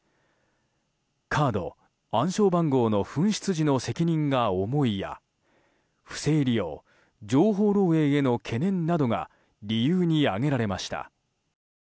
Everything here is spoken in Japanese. カード、暗証番号の紛失時の責任が重い、や不正利用、情報漏洩への懸念などが理由に挙げられました。